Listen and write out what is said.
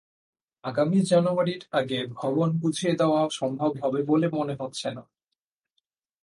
আগামী জানুয়ারির আগে ভবন বুঝিয়ে দেওয়া সম্ভব হবে বলে মনে হচ্ছে না।